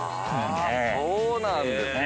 そうなんですね。